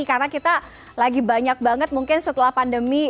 karena kita lagi banyak banget mungkin setelah pandemi